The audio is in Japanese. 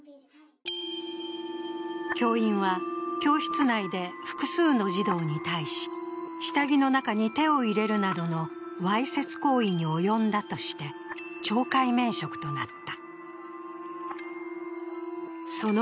教員は、教室内で複数の児童に対し下着の中に手を入れるなどのわいせつ行為に及んだとして懲戒免職となった。